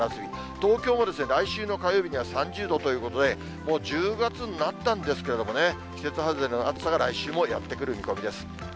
東京も来週の火曜日には３０度ということで、もう１０月になったんですけれどもね、季節外れの暑さが来週もやって来る見込みです。